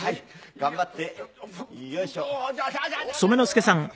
頑張って。